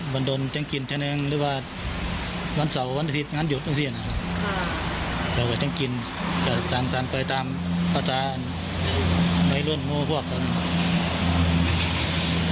บุงตนทบพธรมาและประโกงจัดการรัฐรวรรภ์